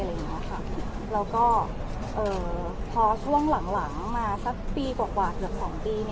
แล้วก็พอช่วงหลังมาสักปีกว่าเกือบ๒ปี